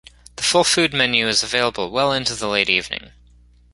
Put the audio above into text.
The full food menu is available well into the late evening.